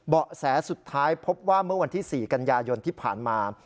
แสสุดท้ายพบว่าเมื่อวันที่๔กันยายนที่ผ่านมา